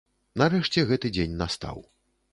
Нарэшце гэты дзень настаў.